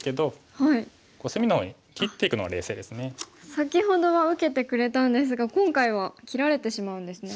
先ほどは受けてくれたんですが今回は切られてしまうんですね。